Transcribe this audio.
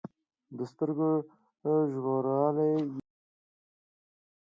د سترګو ژورغالي يې داسې ښکارېدې.